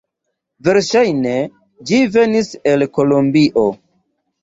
Verŝajne ĝi venis el Kolombio.